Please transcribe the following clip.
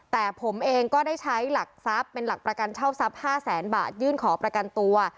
แต่ผมเองก็ได้ใช้หลักทรัพย์เป็นหลักประกันเช่าทรัพย์๕แสนบาทยื่นขอประกันตัว